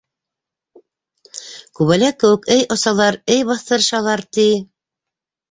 Күбәләк кеүек, эй осалар, эй баҫтырышалар, ти...